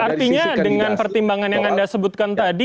artinya dengan pertimbangan yang anda sebutkan tadi